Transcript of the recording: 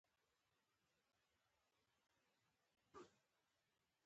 د تیلو ور اچول او د مبلایلو پر وخت باندي بدلول.